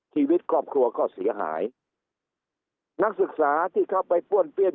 ชีวิตครอบครัวก็เสียหายนักศึกษาที่เข้าไปป้วนเปี้ยน